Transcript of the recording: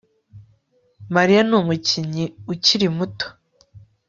Mariya numukinyi ukiri muto